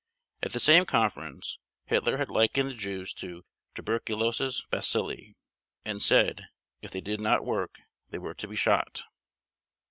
At the same conference Hitler had likened the Jews to "tuberculosis bacilli" and said if they did not work they were to be shot.